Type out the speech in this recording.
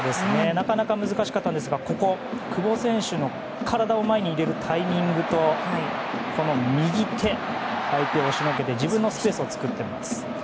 なかなか難しかったんですが久保選手の体を前に入れるタイミングと右手相手を押しのけて自分のスペースを作っています。